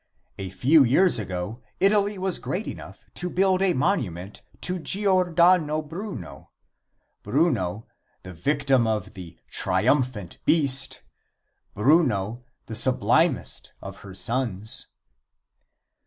A few years ago Italy was great enough to build a monument to Giordano Bruno Bruno, the victim of the "Triumphant Beast;" Bruno, the sublimest of her sons.